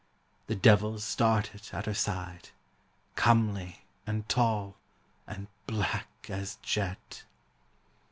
The devil started at her side, Comely, and tall, and black as jet.